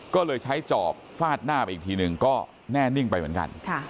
ก็เลยใช้จอบฟาดหน้าไปอีกทีหนึ่งก็แน่นิ่งไปเหมือนกัน